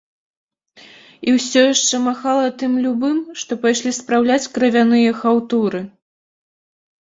І ўсё яшчэ махала тым любым, што пайшлі спраўляць крывяныя хаўтуры.